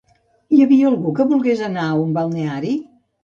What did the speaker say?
Hi havia algú que volgués anar a un balneari?